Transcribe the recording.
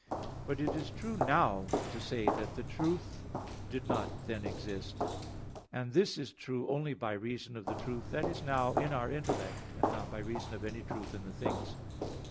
But it is true now to say that that truth did not then exist: and this is true only by reason of the truth that is now in our intellect; and not by reason of any truth in the things.